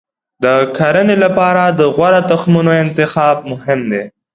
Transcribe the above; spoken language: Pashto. د کرنې لپاره د غوره تخمونو انتخاب مهم دی.